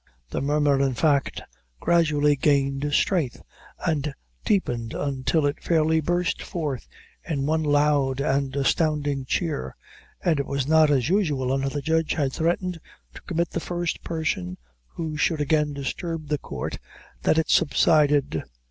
The murmur, in fact, gradually gained strength, and deepened until it fairly burst forth in one loud and astounding cheer, and it was not, as usual, until the judge had threatened to commit the first person who should again disturb the court, that it subsided.